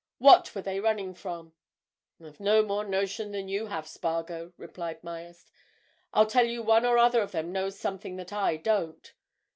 What were they running from?" "I have no more notion than you have, Spargo," replied Myerst. "I tell you one or other of them knows something that I don't.